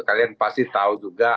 kalian pasti tahu juga